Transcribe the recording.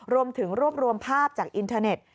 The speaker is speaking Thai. รวมถึงรวบรวมภาพจากอินเทอร์เน็ต